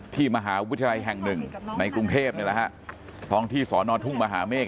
ที่มหาวิทยาลัยแห่งหนึ่งในกรุงเทพนี่แหละฮะท้องที่สอนอทุ่งมหาเมฆ